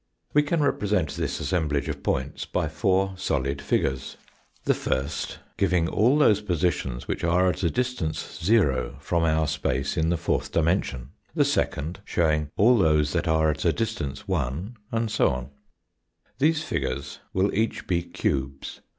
We can represent this assemblage of points by four solid figures. The first giving all those positions which Fig. 70. 128 THE FOURTH DIMENSION are at a distance o from our space in the fourth dimen* sion, the second showing all those that are at a distance 1, and so on. These figures will each be cubes.